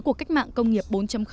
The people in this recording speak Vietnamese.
cuộc cách mạng công nghiệp bốn